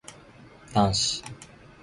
男子